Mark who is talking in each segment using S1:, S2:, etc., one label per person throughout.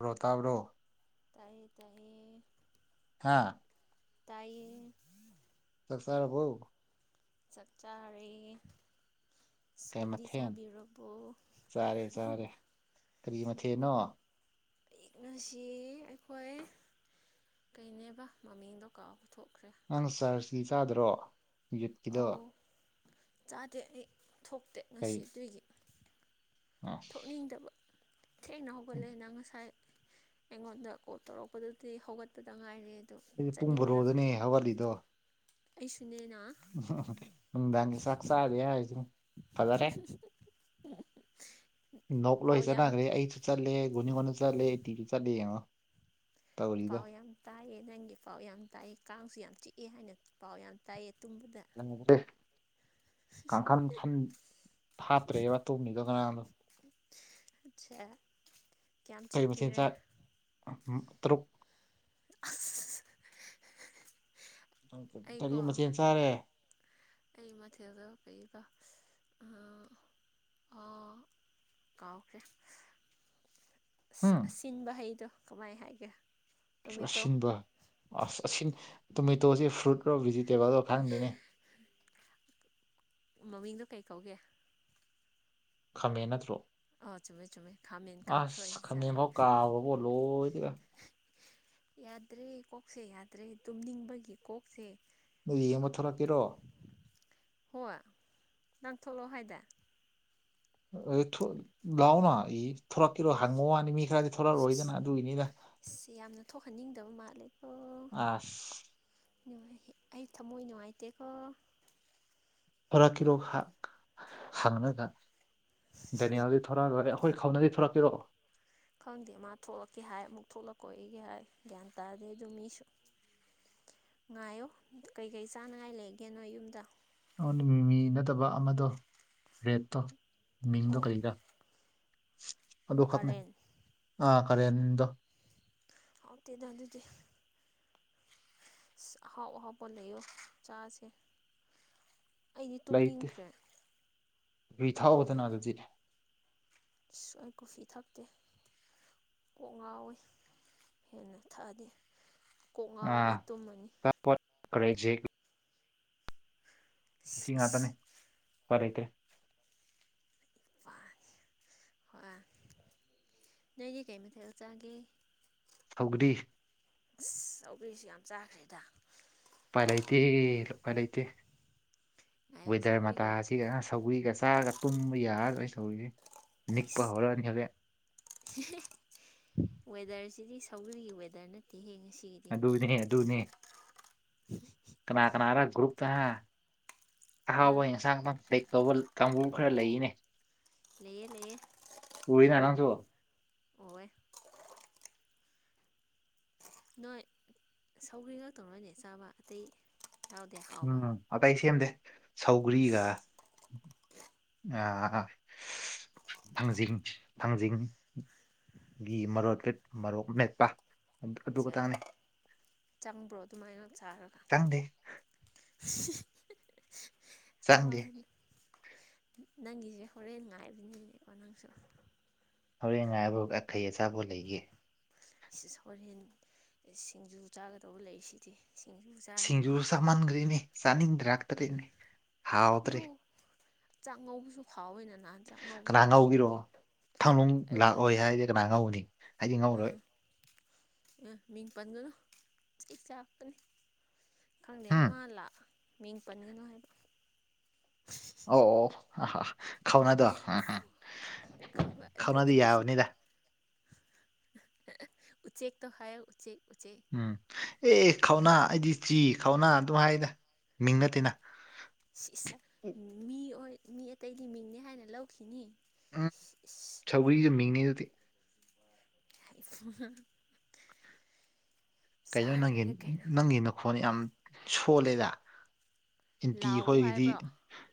S1: ꯭ꯔꯣ ꯇꯥꯕ꯭ꯔꯣ
S2: ꯇꯥꯏꯌꯦ ꯇꯥꯏꯌꯦ
S1: ꯍꯥꯥ
S2: ꯇꯥꯏ
S1: ꯆꯁꯥꯔꯔꯕꯎ
S2: ꯆꯥꯛ ꯆꯥꯔꯤ
S1: ꯀꯩ
S2: ꯁꯗꯤ
S1: ꯃꯊꯦꯜ
S2: ꯆꯥꯕꯤꯔꯣꯕꯨꯣ
S1: ꯆꯥꯔꯦ ꯆꯥꯔꯦ ꯀꯔꯤ ꯃꯊꯦꯅꯣ
S2: ꯑꯛꯅꯁꯤ ꯑꯩꯈꯣꯏ ꯀꯅꯦꯕ ꯃꯃꯤꯡꯗꯣ ꯀꯥꯎ ꯎꯊꯣꯛꯈ꯭ꯔꯦ
S1: ꯅꯪ ꯁꯥꯔꯁꯤꯗꯤ ꯆꯥꯗ꯭ꯔꯣ ꯌꯨꯠꯀꯤꯗꯣ
S2: ꯑꯧ ꯆꯥꯗꯦ ꯑꯩ ꯊꯣꯛꯇꯦ ꯉꯁꯤ
S1: ꯀꯩ
S2: ꯑꯗꯨꯏꯒꯤ
S1: ꯑꯁ
S2: ꯊꯣꯛꯅꯤꯡꯗꯕ ꯊꯦꯡꯅ ꯍꯧꯒꯠꯂꯦꯅ ꯉꯁꯥꯏ ꯑꯩꯉꯣꯟꯗ ꯀꯣꯜ ꯇꯧꯔꯛꯄꯗꯨꯗꯤ ꯍꯧꯒꯠꯄꯗ ꯉꯥꯏꯔꯦ ꯑꯗꯨꯗꯣ
S1: ꯑꯩꯗꯤ ꯄꯨꯡ
S2: ꯆꯠꯅꯤꯡꯗꯕ
S1: ꯕꯣꯔꯣꯗꯅꯦ
S2: ꯑꯩꯁꯨꯅꯦꯅ
S1: ꯎ ꯁꯛꯁꯗꯦ ꯍꯥꯏ
S2: [unintelligible]
S1: ꯅꯣꯛ
S2: ꯄꯥꯎ
S1: ꯂꯣꯏ
S2: ꯌꯥꯝ
S1: ꯆꯠꯅꯈ꯭ꯔꯦ ꯑꯩꯁꯨ ꯆꯠꯂꯦ ꯒꯨꯅꯤꯒꯣꯟꯁꯨ ꯆꯠꯂꯦ ꯇꯤꯁꯨ ꯆꯠꯂꯦ ꯌꯦꯡꯉꯣ ꯇꯧꯔꯤꯗꯣ
S2: ꯄꯥꯎ ꯌꯥꯝ ꯇꯥꯏꯌꯦ ꯅꯪꯒꯤ ꯄꯥꯎ ꯌꯥꯝ ꯇꯥꯏꯌꯦ ꯀꯥꯡꯁꯨ ꯌꯥꯝ ꯆꯤꯛꯑꯦ ꯍꯥꯏꯅ ꯄꯥꯎ ꯌꯥꯝ ꯇꯥꯏꯑ ꯇꯨꯝꯕꯗ
S1: ꯀꯥꯡꯈꯟꯟ ꯊꯥꯞꯇ꯭ꯔꯦꯕꯇꯣꯝꯅꯤꯗꯣ ꯀꯅꯥꯗꯣ
S2: ꯑꯆꯥ
S1: ꯀꯩ ꯃꯆꯤꯟꯖꯥꯛ ꯇꯔꯨꯛ
S2: ꯑꯁ ꯑꯩꯀꯣ
S1: ꯔꯤ ꯃꯊꯦꯜ ꯆꯥꯔꯦ
S2: ꯑꯩ ꯃꯊꯦꯜꯖ ꯀꯩꯕ ꯑꯣ ꯀꯥꯎꯒꯦ
S1: ꯎꯝ
S2: ꯑꯁꯤꯟꯕ ꯍꯩꯗꯣ ꯀꯃꯥꯏ ꯍꯥꯏꯒꯦ ꯇꯣꯃꯦꯇꯣ
S1: ꯑꯁꯤꯟꯕ ꯑꯁ ꯑꯁꯤꯟ ꯇꯣꯃꯦꯇꯣꯁꯦ ꯐ꯭ꯔꯨꯏꯠꯔꯣ ꯚꯤꯖꯤꯇꯦꯕꯜꯗꯣ ꯈꯪꯗꯦꯅꯦ
S2: ꯃꯃꯤꯡꯗꯣ ꯀꯩ ꯀꯧꯒꯦ
S1: ꯈꯥꯃꯦꯟ ꯅꯠꯇ꯭ꯔꯣ
S2: ꯑꯥ ꯆꯨꯝꯃꯦ ꯆꯨꯝꯃꯦ ꯈꯥꯃꯦꯟ ꯀꯥꯡꯁꯣꯏ
S1: ꯑꯁ
S2: ꯆꯥꯏ
S1: ꯈꯥꯃꯦꯟꯐꯥꯎ ꯀꯥꯎꯔꯕꯣ ꯂꯣꯏꯗꯒ
S2: ꯌꯥꯗ꯭ꯔꯦ ꯀꯣꯛꯁꯦ ꯌꯥꯗ꯭ꯔꯦ ꯇꯨꯝꯅꯤꯡꯕꯒꯤ ꯀꯣꯛꯁꯦ
S1: ꯅꯣꯏ ꯌꯦꯡꯕ ꯊꯣꯛꯂꯛꯀꯦꯔꯣ
S2: ꯍꯣ ꯅꯪ ꯊꯣꯛꯂꯑꯣ ꯍꯥꯏꯗ
S1: ꯂꯥꯛꯑꯣꯅ ꯏ ꯊꯣꯔꯛꯀꯤꯔꯣ ꯍꯪꯉꯛ ꯋꯥꯅꯤ ꯃꯤ ꯈꯔꯗꯤ ꯊꯣꯔꯛꯑꯔꯣꯏꯗꯅ ꯑꯗꯨꯒꯤꯅꯤꯗ
S2: ꯌꯥꯝꯅ ꯊꯣꯛꯍꯟꯅꯤꯡꯗꯕ ꯃꯥꯜꯂꯦ
S1: ꯑꯁ
S2: ꯅꯨꯡꯉꯥꯏ ꯑꯩ ꯊꯃꯣꯏ ꯅꯨꯡꯉꯥꯏꯇꯦꯀꯣ
S1: ꯑꯣꯔꯥ ꯀꯤꯂꯣ ꯍꯥ ꯍꯥꯡꯅꯒ ꯗꯅꯤꯌꯥ ꯊꯔꯛꯑ ꯂꯔꯦ ꯑꯩꯈꯣꯏ ꯈꯥꯎꯅꯗꯤ ꯊꯣꯔꯛꯀꯦꯔꯣ
S2: ꯈꯪꯗꯦ ꯃꯥ ꯊꯣꯛꯂꯛꯀꯦ ꯍꯥꯏ ꯑꯃꯨꯛ ꯊꯣꯛꯂꯛꯀꯣ ꯑꯩꯒꯤ ꯍꯥꯏ ꯒ꯭ꯌꯥꯟ ꯇꯥꯗꯦ ꯑꯗꯨ ꯃꯤꯁꯨ ꯉꯥꯏꯌꯣ ꯀꯩꯀꯩ ꯆꯥꯅꯉꯥꯏ ꯂꯩꯒꯦꯅꯣ ꯌꯨꯝꯗ
S1: ꯅꯉꯣꯟꯗ ꯃꯤ ꯃꯤ ꯅꯠꯇꯕ ꯑꯃꯗꯣ ꯔꯦꯠꯇꯣ ꯃꯤꯡꯗꯣ
S2: ꯑꯣ ꯑꯣ
S1: ꯀꯩꯗ ꯑꯗꯨ ꯈꯠꯅꯦ
S2: ꯀꯔꯦꯟ
S1: ꯑꯥ ꯈꯔꯦꯅꯤꯗꯣ
S2: ꯍꯥꯎꯗꯗꯣ ꯑꯗꯨꯗꯤ ꯑ ꯑꯍꯥꯎ ꯑꯍꯥꯎꯕ ꯂꯩꯌꯣ ꯆꯥꯁꯦ ꯑꯩꯗꯤ
S1: ꯂꯩꯇꯦ
S2: ꯇꯨꯝꯅꯤꯡꯈ꯭ꯔꯦ
S1: ꯏ ꯊꯥꯎꯕꯗꯅ ꯑꯗꯨꯗꯤ
S2: ꯁ ꯑꯩ ꯀꯣꯐꯤ ꯊꯥꯛꯛꯇꯦ ꯀꯣꯛ ꯉꯥꯎꯋꯤ ꯍꯦꯟꯅ ꯊꯛꯑꯗꯤ ꯀꯣꯛ ꯉꯥꯎ ꯍ
S1: ꯑꯥ
S2: ꯇꯨꯝꯃꯅꯤ
S1: ꯄꯣꯠ ꯀꯔꯖꯦ ꯉ
S2: ꯏꯁ ꯏꯁ
S1: ꯉꯥꯛꯇꯅꯦ ꯐ ꯂꯩꯇ꯭ꯔꯦ
S2: ꯄꯥꯒꯦ ꯍꯣꯏ ꯅꯣꯏꯗꯤ ꯀꯩ ꯃꯊꯦꯜ ꯆꯥꯒꯦ
S1: ꯍꯧꯒꯔꯤ
S2: ꯑꯁ ꯑꯤꯁꯨ ꯌꯥꯝ ꯆꯥꯈ꯭ꯔꯦꯗ
S1: ꯎꯄ ꯂꯩꯇꯦ ꯂꯨꯄ ꯂꯩꯇꯦ
S2: ꯉꯥꯏꯌꯣ
S1: ꯋꯦꯗꯔ
S2: ꯁꯧꯒ꯭ꯔꯤꯒ
S1: ꯃꯇꯥꯁꯤꯗ ꯁꯧꯒꯔꯤꯒ ꯆꯥꯔꯒ ꯄꯨꯨꯝꯕ ꯌꯥꯔꯔꯣꯏ ꯁꯧꯔꯤꯁꯤꯦ ꯅꯤꯛꯄ
S2: ꯏꯁ
S1: ꯍꯧꯔꯛꯑꯅꯤ ꯍꯧꯖꯤꯛ
S2: ꯋꯦꯗꯔꯁꯤꯗꯤ ꯁꯒꯜꯒꯤ ꯋꯦꯗꯔ ꯅꯠꯇꯦꯍꯦ ꯉꯁꯤꯒꯤꯗꯤ
S1: ꯑꯗꯨꯅꯦ ꯑꯗꯨꯅꯦ
S2: ꯎꯝ
S1: ꯀꯅꯥ ꯀꯅꯥꯒ ꯒ꯭ꯔꯨꯞꯇꯅ ꯑꯍꯥꯎꯕ
S2: ꯑꯥ
S1: ꯌꯦꯟꯁꯥꯡꯇ ꯐꯦꯛ ꯇꯧꯕ ꯀꯥꯡꯕꯨ ꯈꯔ ꯂꯩꯅꯦ
S2: ꯂꯩꯌꯦꯦ ꯂꯩꯌꯦꯦ
S1: ꯎꯅꯅꯥꯟꯁꯨꯣ
S2: ꯑꯣꯋꯦ ꯅꯣꯏ ꯁꯧꯒ꯭ꯔꯤ ꯉꯥꯛꯛꯇ ꯅꯣꯏꯅꯦ ꯆꯥꯕ ꯑꯇꯩ ꯌꯥꯎꯗꯦ ꯍꯥꯎꯕ
S1: ꯎꯝ ꯑꯇꯩ ꯑꯩ ꯁꯦꯝꯗꯦ ꯁꯧꯒ꯭ꯔꯤꯒ ꯑꯥ ꯊꯥꯡꯖꯤꯡ ꯊꯥꯡꯖꯤꯡꯒꯤ ꯃꯔ ꯃꯔꯣꯛ ꯃꯦꯠꯄ ꯑꯗꯨ
S2: ꯑꯠꯆꯥ
S1: ꯈꯇꯪꯅꯦ
S2: ꯆꯪꯕ꯭ꯔꯣ ꯑꯗꯨꯃꯥꯏꯅ ꯁꯥꯔꯒ
S1: ꯆꯪꯗꯦ
S2: ꯍ
S1: ꯆꯪꯗꯦ
S2: ꯅꯪꯒꯤꯁꯦ ꯍꯣꯔꯦꯟ ꯉꯥꯏꯕꯅꯤꯅꯦꯀꯣ ꯅꯪꯁꯨ
S1: ꯍꯣꯔꯦꯟ ꯉꯥꯏꯕ ꯑꯈꯩ ꯑꯆꯥꯄꯣ ꯂꯩꯒꯦ
S2: ꯁꯣꯔꯦꯟ ꯁꯤꯡꯖꯨ ꯆꯥꯒꯗꯧꯕ ꯂꯩꯁꯤꯗꯤ ꯁꯤꯡꯖꯨ ꯆꯥꯔꯅꯤ
S1: ꯆꯥꯅꯤꯡꯗ꯭ꯔꯥ ꯇꯔꯦꯠꯅꯦ
S2: ꯑꯗꯨ ꯆꯥꯛꯉꯧꯕꯁꯨ ꯐꯥꯎꯋꯦꯅ ꯅꯥ
S1: ꯀꯅꯥ ꯉꯧꯒꯤꯔꯣ ꯊꯥꯡꯅꯨꯡ ꯂꯥꯛꯑꯣꯏ ꯍꯥꯏꯗꯤꯦ ꯀꯅꯥ ꯉꯧꯅꯤ ꯑꯩꯗꯤ ꯉꯧꯔꯣꯏ
S2: ꯎꯥ ꯎ ꯃꯤꯡ ꯄꯟꯅꯣ ꯁꯤꯁꯦꯇꯅꯤ ꯈꯪꯗꯦ
S1: ꯎꯝ
S2: ꯃꯥ ꯂꯥꯛ ꯃꯤꯡ ꯄꯟꯒꯅꯨ ꯍꯥꯏꯕ
S1: ꯑꯣ ꯈꯥꯎꯅꯥꯗꯣ
S2: ꯈꯕ ꯑꯗꯨ ꯑꯗꯨꯁꯨ ꯎꯆꯦꯛꯛꯇꯣ ꯍꯥꯏ ꯎꯆꯦꯛ ꯎꯆꯦꯛ
S1: ꯎꯝ ꯑꯦ ꯈꯧꯅꯥ ꯑꯩꯗꯤ ꯆꯤ ꯈꯧꯅꯥ ꯑꯗꯨꯝ ꯍꯥꯏꯗ ꯃꯤꯡ ꯅꯠꯇꯦꯅ
S2: ꯃꯤ ꯑꯣꯏ ꯃꯤ ꯑꯇꯩꯒꯤ ꯃꯤꯡꯅꯤ ꯍꯥꯏꯅ ꯂꯧꯈꯤꯅꯤ [unintelligible]
S1: ꯁꯧꯒꯔꯤꯒꯤ ꯃꯤꯡꯅꯤ ꯑꯗꯨꯗꯤ
S2: ꯑ ꯐꯣꯟ
S1: ꯀꯩꯅꯩꯅꯣ ꯅꯪꯒꯤ ꯅꯪꯒꯤ ꯅꯈꯣꯟ ꯌꯥꯝ ꯁꯣꯜꯂꯦꯗ ꯏꯟꯇꯤ
S2: ꯂꯥꯎꯋꯣ
S1: ꯑꯩꯈꯣꯏꯒꯤꯗꯤ
S2: ꯍꯥꯏꯕ꯭ꯔꯣ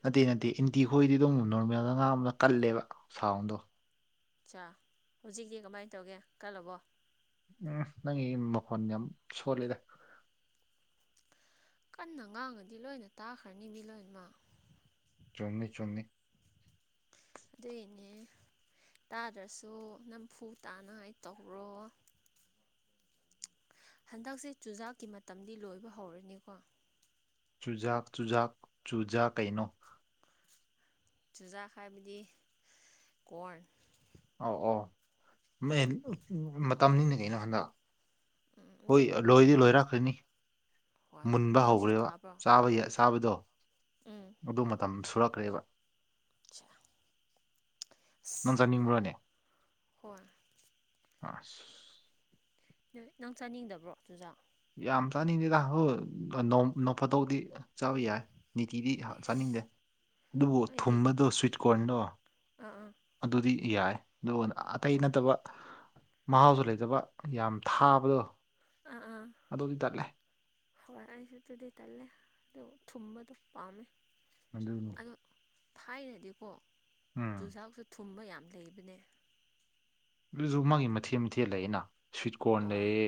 S1: ꯅꯠꯇꯦ ꯅꯠꯇꯦ ꯏꯟꯇꯤ ꯈꯣꯏꯗꯤ ꯑꯗꯨꯝ ꯅꯣꯔꯃꯦꯜꯗ ꯑ ꯉꯥꯡ ꯑꯃꯗ ꯀꯜꯂꯦꯕ ꯁꯥꯎꯟꯗꯣ
S2: ꯑꯆꯥ ꯍꯧꯖꯤꯛꯇꯤ ꯀꯃꯥꯏꯅ ꯇꯧꯒꯦ ꯀꯜꯂꯕꯣ
S1: ꯎꯝ ꯅꯪꯒꯤ ꯃꯈꯣꯟ ꯌꯥꯝ ꯁꯣꯂꯦꯗ
S2: ꯀꯟꯅ ꯉꯥꯡꯉꯗꯤ ꯂꯣꯏꯅ ꯇꯥꯈ꯭ꯔꯅꯤꯅꯤ ꯂꯣꯏꯅꯃꯛ
S1: ꯆꯨꯝꯅꯤ ꯆꯨꯝꯅꯤ
S2: ꯑꯗꯨꯏꯅꯦ ꯇꯥꯗ꯭ꯔꯁꯨ ꯅꯝꯐꯨ ꯇꯥꯅꯉꯥꯏ ꯇꯧꯔꯣ ꯍꯟꯗꯛꯁꯦ ꯆꯨꯖꯥꯛꯀꯤ ꯃꯇꯝꯗꯤ ꯂꯣꯏꯕ ꯍꯧꯔꯅꯤꯀꯣ
S1: ꯆꯨꯖꯥꯛ ꯆꯨꯖꯥꯛ ꯆꯨꯖꯥꯛ ꯀꯩꯅꯣ
S2: ꯆꯨꯖꯥꯛ ꯍꯥꯏꯕꯗꯤ ꯀꯣꯔ
S1: ꯑꯧ ꯑꯧ ꯃꯇꯝꯅꯤꯅ ꯀꯩꯅꯣ ꯍꯟꯗꯛ
S2: ꯎꯝ ꯑꯗꯨ
S1: ꯍꯣꯏ ꯂꯣꯏꯗꯤ
S2: ꯂꯣꯏꯔꯅꯤ
S1: ꯂꯣꯏꯔꯥꯛꯈ꯭ꯔꯅꯤ
S2: ꯍꯣꯏ
S1: ꯃꯨꯟꯕ
S2: ꯅꯣꯏꯁꯨ
S1: ꯍꯧꯈ꯭ꯔꯦꯕꯥ
S2: ꯊꯥꯕ꯭ꯔꯣ
S1: ꯆꯥꯕꯗꯣ
S2: ꯎꯝ
S1: ꯑꯗꯨ ꯃꯇꯝ ꯁꯨꯔꯛꯈ꯭ꯔꯦꯕ
S2: ꯑ
S1: ꯅꯪꯖꯅꯤꯡꯕ꯭ꯔꯣꯅꯦ
S2: ꯍꯣꯏ
S1: ꯑ
S2: ꯅꯣꯏ ꯅꯪ ꯆꯥꯅꯤꯡꯗꯕ꯭ꯔꯣ ꯆꯨꯖꯥ
S1: ꯌꯥꯝ ꯆꯥꯅꯤꯡꯗꯦꯗ ꯍꯣꯏ ꯅꯣꯐꯠꯇꯧꯗꯤ ꯆꯥꯕ ꯌꯥꯏ ꯅꯤꯇꯤꯗꯤ ꯆꯥꯅꯤꯡꯗꯦ
S2: ꯏꯁ
S1: ꯑꯗꯨꯕꯨ
S2: ꯑꯩꯗꯤ ꯌꯥꯝ
S1: ꯊꯨꯝꯕꯗꯨꯣ
S2: ꯍꯥꯎꯋꯦ
S1: ꯁ꯭ꯋꯤꯆ ꯀꯣꯔꯅꯣ
S2: ꯑꯥ ꯑꯥ
S1: ꯑꯗꯨꯗꯤ ꯌꯥꯏ ꯑꯗꯨꯒ ꯑꯇꯩ
S2: ꯍꯣꯏ
S1: ꯅꯠꯇꯕ ꯃꯍꯥꯎꯁꯨ ꯂꯩꯇꯕ ꯌꯥꯝ ꯊꯥꯕꯗꯣ
S2: ꯑꯥ ꯑꯥ
S1: ꯑꯗꯨꯗꯤ ꯇꯠꯂꯦ
S2: ꯍꯣꯏ ꯑꯩꯁꯨ ꯑꯗꯨꯗꯤ ꯇꯜꯂꯦ ꯑꯗꯨ ꯊꯨꯝꯕꯗꯣ ꯄꯥꯝꯃꯦ
S1: ꯃꯅ
S2: ꯑ ꯊꯥꯏꯅꯗꯤꯀꯣ
S1: ꯎꯝ
S2: ꯆꯨꯖꯥꯛꯁꯨ ꯊꯨꯝꯕ ꯌꯥꯝ ꯂꯩꯕꯅꯦ
S1: ꯑꯗꯨꯁꯨ ꯃꯥꯒꯤ ꯃꯊꯦꯜ ꯃꯊꯦꯜꯂꯏꯅ ꯁ꯭ꯋꯤꯠ ꯀꯣꯔꯟ
S2: ꯍꯣꯏ
S1: ꯂꯩꯌꯦ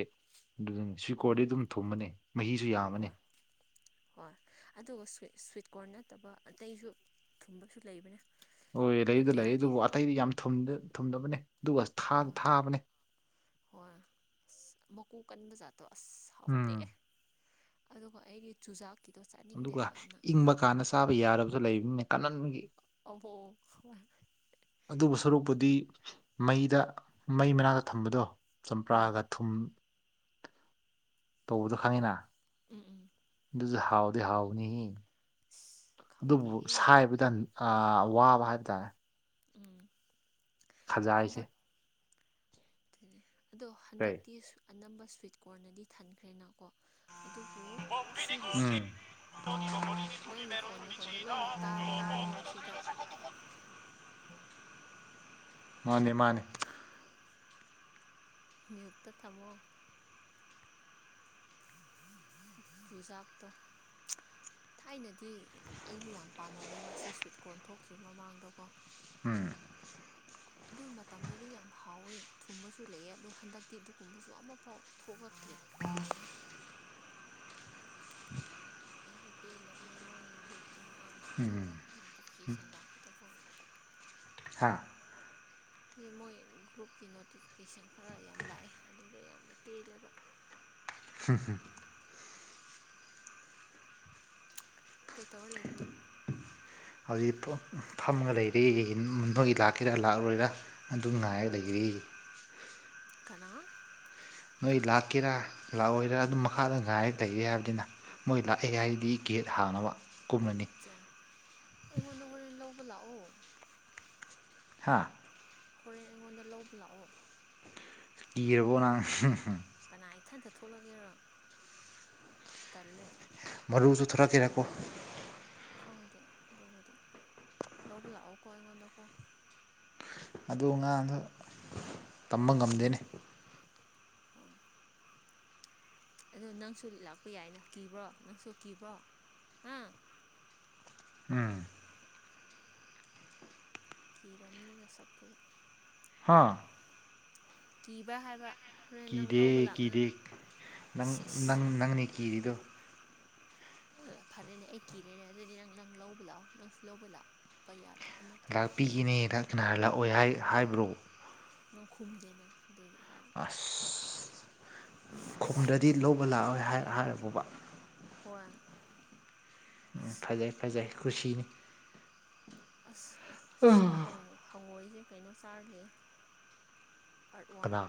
S1: ꯑꯗꯨꯗꯨ ꯁ꯭ꯋꯤꯠ ꯀꯣꯔꯗꯤ
S2: ꯎꯝ
S1: ꯑꯗꯨꯝ ꯊꯨꯝꯕꯅꯦ ꯃꯍꯤꯁꯨ ꯌꯥꯝꯃꯅꯦ
S2: ꯍꯣꯏ ꯍꯣꯏ ꯑꯗꯨꯒ꯭ ꯁ꯭ꯋꯤꯠ ꯀꯣꯔꯟ ꯅꯠꯇꯕ ꯑꯇꯩꯁꯨ ꯊꯨꯝꯕꯁꯨ ꯂꯩꯕꯅꯦ
S1: ꯍꯣꯏ ꯂꯩꯗ ꯂꯩ
S2: ꯂꯣꯀꯦꯜꯒꯤ
S1: ꯑꯗꯨꯕꯨ ꯑꯇꯩꯗꯤ ꯌꯥꯝ ꯊꯨꯝꯗꯕꯅꯦ ꯑꯗꯨꯒ
S2: ꯍꯣꯏ
S1: ꯊꯥꯕꯅꯦ
S2: ꯍꯣꯏ ꯑꯁ ꯃꯀꯨ ꯀꯟꯕ ꯖꯥꯠꯇꯣ ꯑꯁ
S1: ꯎꯝ
S2: ꯍꯥꯎꯇꯦ ꯑꯗꯨꯒ ꯑꯩꯒꯤ ꯆꯨꯖꯥꯀꯤꯗꯣꯁꯥꯅꯤ
S1: ꯑꯗꯨꯒ ꯏꯪꯕ ꯀꯥꯟꯗ ꯆꯥꯕ ꯌꯥꯔꯕꯁꯨ ꯂꯩꯕꯅꯤꯅ ꯀꯅꯟꯒꯤ
S2: ꯑꯣꯕꯣ ꯍ
S1: ꯑꯗꯨꯕꯨ ꯁꯔꯨꯛꯄꯨꯗꯤ ꯃꯩꯗ ꯃꯩ ꯃꯅꯥꯛꯇ ꯊꯝꯕꯗꯣ
S2: ꯑꯥ
S1: ꯆꯝꯄ꯭ꯔꯥꯒ ꯊꯨꯝ ꯇꯧꯕꯁꯨ ꯈꯪꯉꯤꯅ
S2: ꯎꯝ ꯎꯝ
S1: ꯑꯗꯨꯁꯨ ꯍꯥꯎꯗꯤ ꯍꯥꯎꯅꯤ ꯑꯗꯨꯕꯨ
S2: ꯈꯪꯗꯦꯍꯦ
S1: ꯁꯥꯏꯕꯗ ꯋꯥꯕ ꯍꯥꯏꯇꯥꯔꯦ
S2: ꯎꯝ
S1: ꯈꯖꯥꯏꯁꯦ
S2: ꯍꯟꯗꯛ ꯑꯗꯨ ꯑꯗꯣ
S1: ꯀꯩ
S2: ꯍꯟꯗꯛꯇꯤ ꯑꯅꯝꯕ ꯁ꯭ꯋꯤꯠ ꯀꯣꯔꯅꯗꯤ ꯊꯟꯈ꯭ꯔꯦꯅꯀꯣ ꯑꯗꯨꯕꯨ ꯁꯤꯒꯤ
S1: ꯃꯅꯤꯅ ꯃꯅꯤ
S2: ꯅꯪꯒꯤ ꯐꯣꯟ ꯃꯈꯣꯟꯗꯣ ꯂꯣꯏꯅ ꯇꯥꯔꯦ ꯏꯕꯨꯡꯉꯣꯁꯤꯗ
S1: ꯃꯥꯅꯦ ꯃꯥꯅꯦ
S2: ꯃꯌꯨꯇ ꯊꯝꯃꯣ ꯖꯨꯖꯥꯞꯇꯣ ꯊꯥꯏꯅꯗꯤ ꯌꯥꯝ ꯑꯩꯁꯨ ꯌꯥꯝ ꯄꯥꯝꯃꯝꯃꯦꯕ ꯑꯁꯤ ꯁ꯭ꯋꯤꯠ ꯀꯣꯔꯟ ꯊꯣꯛꯇ꯭ꯔꯤ ꯃꯃꯥꯡꯗꯀꯣ
S1: ꯎꯝ
S2: ꯑꯗꯨꯒꯤ ꯃꯇꯝꯗꯗꯤ ꯌꯥꯝ ꯍꯥꯎꯋꯦ ꯊꯨꯝꯕꯁꯨ ꯂꯩꯑ ꯑꯗꯣ ꯍꯟꯗꯛꯇꯤ ꯑꯗꯨꯒꯗꯨꯀꯨꯝꯕꯁꯨ ꯑꯃꯐꯥꯎ ꯊꯣꯛꯂꯛꯇ꯭ꯔꯦ
S1: ꯑꯣ
S2: ꯑꯩꯗꯤ ꯄꯦꯜꯂꯕꯅꯦ ꯃꯣꯏꯒꯤ ꯒ꯭ꯔꯨꯞꯀꯤ ꯃꯌꯥꯝꯁꯤꯡꯁꯦꯀꯣ ꯅꯣꯇꯤꯐꯤꯀꯦꯁꯟ ꯂꯥꯛꯄꯗꯀꯣ
S1: ꯍꯥꯥ
S2: ꯁꯤ ꯃꯣꯏ ꯒ꯭ꯔꯨꯞꯀꯤ ꯅꯣꯇꯤꯐꯤꯀꯦꯁꯟ ꯈꯔ ꯌꯥꯝ ꯂꯥꯛꯑꯦ ꯑꯗꯨꯗ ꯌꯥꯝꯅ ꯄꯦꯜꯂꯦꯕ
S1: ꯍꯝ ꯍꯨꯝ
S2: ꯀꯩꯇꯧꯔ ꯂꯩꯕꯅꯣ
S1: ꯍꯧꯖꯤꯛ ꯐꯝꯃꯒ ꯂꯩꯔꯤꯊꯣꯏꯒꯤ ꯂꯥꯛꯀꯦꯔꯥ ꯂꯥꯛꯑꯔꯣꯏꯔꯥ ꯑꯗꯨ ꯉꯥꯏꯔꯛꯗꯒꯤ
S2: ꯀꯅꯥ
S1: ꯅꯣꯏ ꯂꯥꯛꯀꯦꯔꯥ ꯂꯥꯛꯑꯣꯏꯔꯥ ꯑꯗꯨꯝ
S2: ꯑꯣ
S1: ꯃꯈꯥꯗ ꯉꯥꯏ ꯂꯩꯒꯦ ꯍꯥꯏꯕꯅꯤꯅ ꯃꯣꯏ ꯂꯥꯛꯑꯦ ꯍꯥꯏꯒꯤꯗꯤ ꯒꯦꯠ ꯍꯥꯡꯅꯕ ꯀꯨꯝꯃꯅꯤ
S2: ꯑꯠꯆꯥ ꯑꯩꯉꯣꯟꯗ ꯍꯣꯔꯦꯟ ꯂꯧꯕ ꯂꯥꯛꯑꯣ
S1: ꯍꯥꯥ
S2: ꯍꯣꯔꯦꯟ ꯑꯩꯉꯣꯟꯗ ꯂꯧꯕ ꯂꯥꯛꯑꯣ
S1: ꯏꯔꯕꯣ ꯅꯪ
S2: ꯀꯅꯥ ꯏꯊꯟꯗ ꯊꯣꯛꯂꯒꯦꯔ ꯇꯜꯂꯦ
S1: ꯃꯔꯨꯁꯨ ꯊꯔꯛꯀꯦꯔꯛꯀꯣ
S2: ꯈꯪꯗꯦ ꯑꯗꯨꯕꯨꯗꯤ ꯂꯧꯕ ꯂꯥꯛꯑꯣꯀꯣ ꯑꯩꯉꯣꯟꯗꯀꯣ
S1: ꯑꯗꯨ ꯉꯥꯗꯣ ꯇꯝꯕ ꯉꯝꯗꯦꯅꯦ
S2: ꯐꯨꯣꯔ ꯑ ꯅꯪꯁꯨ ꯂꯥꯛꯄ ꯌꯥꯏꯅ ꯀꯤꯕ꯭ꯔꯣ ꯅꯪꯁꯨ ꯀꯤꯕ꯭ꯔꯣ ꯍꯥ
S1: ꯎꯝ
S2: ꯀꯤꯔꯝꯅꯤꯅ ꯁꯛꯇꯨ
S1: ꯍꯥꯥ
S2: ꯀꯤꯕ꯭ꯔ ꯍꯥꯏꯕ ꯍꯣꯔꯦꯟ ꯅꯪ
S1: ꯀꯤꯗꯦ
S2: ꯂꯧꯕ
S1: ꯀꯤꯗꯦ
S2: ꯂꯥꯛꯅꯉꯥꯏ
S1: ꯅꯪ ꯅꯪ
S2: ꯁꯤꯁ
S1: ꯅꯪꯅꯦ ꯀꯤꯔꯤꯗꯣ
S2: ꯐꯔꯦꯅꯦ ꯑꯩ ꯀꯤꯔꯦꯅꯦ ꯑꯗꯨꯗꯤ ꯅꯪ ꯅꯪ ꯂꯧꯕ ꯂꯥꯛꯑꯣ ꯅꯪꯁꯨ ꯂꯧꯕ ꯂꯥꯛꯄ ꯌꯥꯗꯕ ꯅꯠꯇ꯭ꯔꯥ
S1: ꯄꯤꯈꯤꯅꯦꯗ ꯀꯅꯥ ꯍꯥꯏꯔ ꯂꯥꯛꯑꯣꯏ ꯍꯥꯏ ꯍꯥꯏꯕ꯭ꯔꯣ
S2: ꯅꯣꯡꯈꯨꯝꯗꯦꯅ ꯑꯗꯨꯗꯒꯤ ꯍꯥꯏꯕ
S1: ꯑꯁ ꯈꯣꯡꯗꯗꯤ ꯂꯧꯕ ꯂꯥꯛꯑꯣꯏ ꯍꯥꯏꯔꯕꯕ
S2: ꯍꯏ
S1: ꯐꯖꯩ ꯐꯖꯩ ꯈꯨꯨꯁꯤꯅꯤ
S2: ꯑꯁ ꯁꯤꯗ ꯍꯪꯉꯣꯏꯁꯦ ꯀꯩꯅꯣ ꯆꯥꯔꯂꯦ ꯑꯥꯔꯠ ꯋꯥꯔꯟ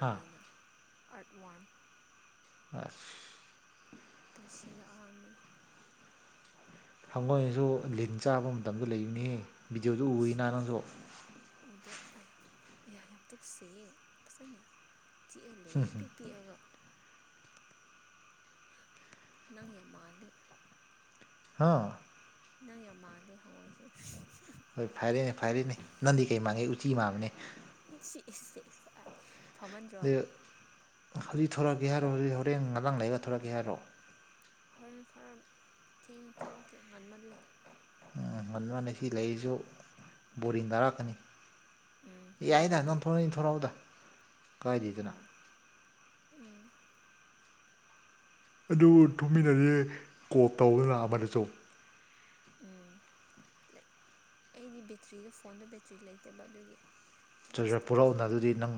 S1: ꯍꯥ ꯑꯁ
S2: ꯑꯥꯔꯠ ꯋꯥꯔꯝ
S1: ꯑꯁ
S2: ꯄꯨꯟꯁꯤꯗ ꯑꯍꯥꯟꯕꯟ
S1: ꯍꯪꯒꯣꯏꯅꯁꯨ ꯂꯤꯟ ꯆꯥꯕ ꯃꯇꯝꯗ ꯂꯩꯕꯅꯤ ꯕꯤꯗꯤꯑꯣꯗꯨ ꯎꯏꯅ ꯅꯪꯁꯨ
S2: ꯎꯗꯦ ꯑꯩ ꯌꯥꯝ ꯇꯨ ꯀꯁꯤꯌꯦ ꯐꯖꯅ ꯆꯤꯛꯍꯜꯂꯦꯑ ꯄꯤꯛ ꯄꯤꯛꯑꯒ ꯅꯪ ꯌꯥꯝ ꯃꯥꯂꯦ
S1: ꯍꯥ
S2: ꯅꯪ ꯌꯥꯝ ꯃꯥꯟꯗꯦ ꯍꯉꯣꯏ ꯁꯦ
S1: ꯍꯣꯏ ꯐꯔꯦꯅꯦ ꯐꯔꯦꯅꯦ ꯅꯪꯗꯤ ꯀꯩ ꯃꯥꯡꯒꯦ ꯎꯆꯤ ꯃꯥꯟꯕꯅꯦ
S2: ꯁꯤꯁꯦ
S1: ꯑꯗ ꯍꯧꯖꯤꯛ ꯊꯣꯔꯛꯑꯒꯦ ꯍꯥꯏꯔꯣ ꯍꯧꯖꯤꯛ ꯍꯣꯔꯦꯟ ꯉꯔꯥꯡ ꯂꯩꯔꯒ ꯊꯣꯔꯛꯀꯦ ꯍꯥꯏꯔꯣ
S2: ꯍꯣꯔꯦꯟ ꯈꯔ ꯊꯦꯡꯅ ꯊꯣꯛꯂꯛꯀꯦ ꯉꯟꯃꯜꯂꯦ
S1: ꯍꯃꯟꯅ ꯁꯤ ꯂꯩꯔꯤꯁꯨ ꯕꯣꯔꯤꯡ ꯇꯥꯔꯛꯀꯅꯤ
S2: ꯎꯝ ꯅꯣꯏ
S1: ꯌꯥꯏꯗ
S2: ꯌꯨꯝꯗꯤ
S1: ꯅꯪ ꯊꯂꯛꯅꯤ ꯊꯣꯔꯛꯎꯗ ꯀꯥꯏꯗꯦꯗꯅ
S2: ꯈꯋꯥ ꯎꯝ
S1: ꯑꯗꯨ ꯊꯨꯝꯃꯤꯟꯅꯗꯤ ꯀꯣꯞ ꯇꯧꯕꯗꯅ ꯑꯃꯗꯆꯧ
S2: ꯎꯝ ꯑꯩꯗꯤ ꯕꯦꯇ꯭ꯔꯤꯗ ꯐꯣꯟꯗ ꯕꯦꯇ꯭ꯔꯤ ꯂꯩꯇꯕ ꯑꯗꯨꯒꯤ ꯆꯥꯔꯖ
S1: ꯆꯥꯔꯖꯔ
S2: ꯇꯧꯔꯒ
S1: ꯄꯨꯔꯛꯎꯅ ꯑꯗꯨꯗꯤ
S2: ꯂꯥꯛꯀꯦ
S1: ꯅꯪ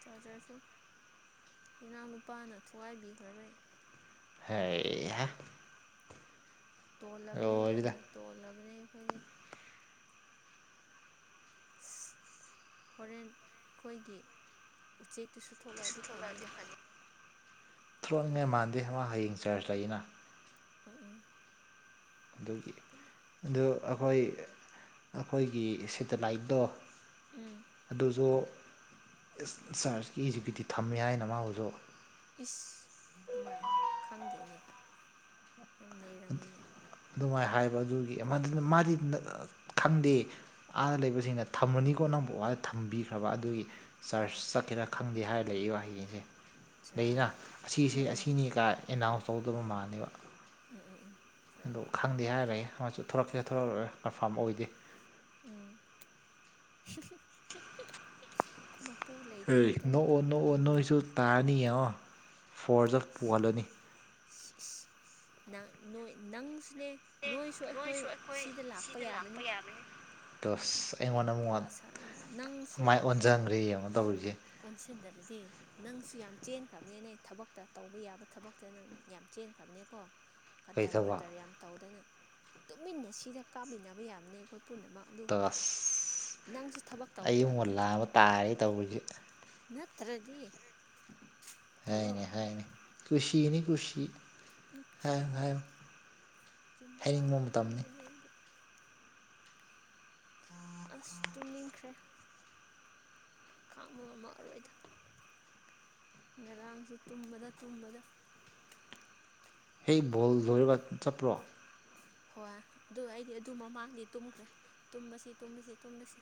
S2: ꯆꯥꯔꯖꯔꯁꯨ ꯏꯅꯥꯎ ꯂꯨꯄꯥꯅ ꯊꯨꯒꯥꯏꯕꯤꯈ꯭ꯔꯕꯩ
S1: ꯍꯥꯏ
S2: ꯇꯣꯜꯂꯕꯅꯦ
S1: ꯂꯣꯏꯔꯦꯗ
S2: ꯌꯥꯝꯅ ꯇꯣꯜꯂꯕꯅꯦ ꯑꯩꯈꯣꯏꯒꯤ ꯑꯁ ꯍꯣꯔꯦꯟ ꯑꯩꯈꯣꯏꯒꯤ ꯎꯆꯦꯛꯇꯨꯁꯨ ꯊꯣꯛꯂꯛꯑꯗꯤ ꯐꯅꯤꯗ
S1: ꯊꯣꯛꯂꯛꯅꯤꯡꯉꯥꯏ ꯃꯥꯟꯗꯦ ꯍꯌꯦꯡ ꯆꯔꯆ ꯂꯩꯅ
S2: ꯑꯝ ꯎꯝ
S1: ꯑꯗꯨꯒꯤ ꯑꯗꯨ ꯑꯩꯈꯣꯏ ꯑꯩꯈꯣꯏꯒꯤ ꯁꯦꯇꯦꯂꯥꯏꯠꯇꯣ
S2: ꯎꯝ
S1: ꯑꯗꯨꯁꯨ ꯁꯥꯔꯁꯀꯤꯁꯤꯒꯤꯗꯤ ꯊꯝꯃꯦ ꯍꯥꯏꯅ ꯃꯥꯕꯨꯁꯨ
S2: ꯏꯁ ꯑꯗꯨꯃꯥꯏ ꯈꯪꯗꯦꯅꯦ ꯌꯥꯝ ꯅꯔꯝꯃꯤꯅꯦ
S1: ꯑꯗꯨꯃꯥꯏꯅ ꯍꯥꯏꯕ ꯑꯗꯨꯒꯤꯅ ꯃꯥꯗꯤ ꯈꯪꯗꯦ ꯑꯥꯗ ꯂꯩꯕꯁꯤꯡꯅ ꯊꯝꯃꯅꯤꯀꯣ ꯅꯪꯕꯨ ꯋꯥꯗ ꯊꯝꯕꯤꯈ꯭ꯔꯕ ꯑꯗꯨꯒꯤ ꯆꯥꯔꯁ
S2: ꯑꯣ
S1: ꯆꯠꯀꯦꯔꯥ ꯈꯪꯗꯦ ꯍꯥꯏꯔ ꯂꯩꯏ ꯋꯥꯍꯩꯁꯦ
S2: ꯆꯥ
S1: ꯑꯩꯅ ꯑꯁꯤꯁꯦ
S2: ꯎꯝ
S1: ꯑꯁꯤꯅꯤ ꯀ ꯑꯦꯅꯥꯎꯟꯁ ꯇꯧꯗꯕ ꯃꯥꯜꯂꯕ
S2: ꯎꯝ ꯎꯝ ꯎꯝ ꯆꯥ
S1: ꯑ ꯈꯪꯗꯦ ꯍꯥꯏꯔꯦ ꯑꯃꯁꯨ ꯊꯣꯔꯛꯀꯦ ꯊꯣꯔꯂꯛꯂꯦ ꯀꯟꯐꯥꯔꯝ ꯑꯣꯏꯗꯦ
S2: ꯎꯝ
S1: [unintelligible]
S2: ꯃꯄꯨ ꯂꯩ
S1: ꯑꯦ ꯅꯣꯛꯑꯣ ꯅꯣꯛꯑꯣ ꯅꯣꯏꯁꯨ ꯇꯥꯔꯅꯤ ꯌꯦꯡꯉꯣ ꯐꯣꯔꯖ ꯑꯣꯐ ꯄꯨꯍꯜꯂꯅꯤ [unintelligible]
S2: ꯅ ꯅꯣꯏ ꯅꯪꯁꯨꯅꯦ ꯅꯣꯏꯁꯨ ꯑꯩꯈꯣꯏ ꯁꯤꯗ ꯂꯥꯛꯄ ꯌꯥꯕꯅꯦ
S1: ꯇꯁ
S2: ꯑꯦ
S1: ꯑꯩꯉꯣꯟꯗ ꯑꯃꯨꯛ
S2: ꯄ ꯅꯪꯁꯨ
S1: ꯃꯥꯏ
S2: ꯅꯪ ꯑꯩ
S1: ꯑꯣꯟꯁꯤꯟꯈ꯭ꯔꯦ ꯌꯦꯡꯉꯣ ꯇꯧꯔꯤꯁꯦ
S2: ꯑꯣꯟꯁꯤꯟꯗꯔꯗꯤ ꯅꯪꯁꯨ ꯌꯥꯝ ꯆꯦꯟꯈ꯭ꯔꯕꯅꯦ ꯅ ꯊꯕꯛꯇ ꯇꯧꯕ ꯌꯥꯕ ꯊꯕꯛꯇ ꯅ ꯅꯪ ꯌꯥꯝ ꯆꯦꯟꯈ꯭ꯔꯕꯅꯦ ꯀꯣ
S1: ꯀꯩ
S2: ꯀꯇꯔ
S1: ꯊꯕꯛ
S2: ꯃꯥꯇꯔ ꯌꯥꯝ ꯇꯧꯗꯅ ꯇꯨꯃꯤꯟꯅ ꯁꯤꯗ ꯀꯥꯞꯃꯤꯟꯅꯕ ꯌꯥꯕꯅꯤ ꯑꯩꯈꯣꯏ ꯄꯨꯝꯅꯃꯛ ꯑꯗꯨ
S1: ꯇꯁ
S2: ꯅꯪꯁꯨ ꯊꯕꯛ ꯇꯧꯕ
S1: ꯑꯩ ꯑꯃꯨꯛ
S2: ꯌꯥꯕꯅꯦ
S1: ꯂꯥꯝꯕ ꯇꯥꯔꯦ ꯇꯧꯔꯤꯁꯦ
S2: ꯅꯠꯇ꯭ꯔꯗꯤ
S1: ꯍꯥꯏꯅꯦ
S2: ꯅꯠꯇꯕ꯭ꯔꯣ
S1: ꯍꯥꯏꯅꯦ ꯈꯨꯁꯤꯅꯤ ꯈꯨꯁꯤ ꯍꯥꯏ ꯍꯥꯏ
S2: ꯆꯨꯝꯕ ꯋꯥꯂ ꯉ ꯎ ꯂꯩꯗꯤ ꯑꯁ ꯇꯨꯝꯅꯤꯡꯈ꯭ꯔꯦ ꯈꯃ ꯑꯃꯛ ꯑꯔꯣꯏꯗ ꯉꯔꯥꯡꯁꯨ ꯇꯨꯝꯕꯗ ꯇꯨꯝꯕꯗ
S1: ꯍꯦꯛ ꯕꯣꯜ ꯂꯣꯏꯔꯒ ꯆꯠꯄ꯭ꯔꯣ
S2: ꯍꯣꯏ ꯑꯗꯨ ꯑꯩꯗꯤ ꯑꯗꯨ ꯃꯃꯥꯡꯗꯤ ꯇꯨꯝꯈ꯭ꯔꯦ ꯇꯨꯝꯕꯁꯤ ꯇꯨꯝꯕꯁꯤ ꯇꯨꯝꯂꯁꯤ